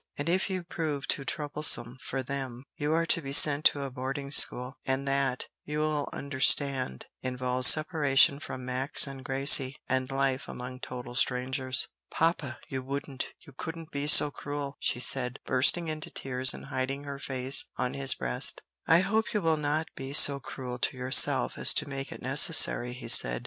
And if you prove too troublesome for them, you are to be sent to a boarding school, and that, you will understand, involves separation from Max and Gracie, and life among total strangers." "Papa, you wouldn't, you couldn't be so cruel!" she said, bursting into tears and hiding her face on his breast. "I hope you will not be so cruel to yourself as to make it necessary," he said.